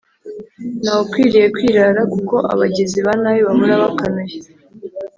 nta ukwiriye kwirara kuko abagizi ba nabi bahora bakanuye